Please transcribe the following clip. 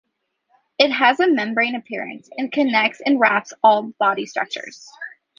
It has a membrane appearance, and connects and wraps all body structures.